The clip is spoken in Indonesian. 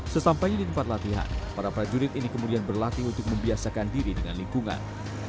sesampainya di tempat latihan para prajurit ini kemudian berlatih untuk membiasakan diri dengan lingkungan